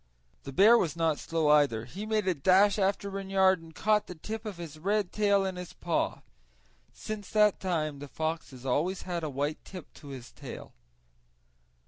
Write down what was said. The bear was not slow either; he made a dash after Reynard and caught the tip of his red tail in his paw. Since that time the fox has always had a white tip to his tail.